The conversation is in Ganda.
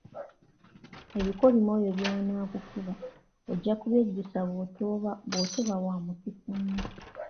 Ebikolimo oyo by'anaakukuba ojja kubyejjusa bw'otoba wa mukisa nnyo.